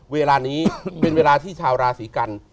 เวลานี้เป็นเวลาที่ชาวราศีกัน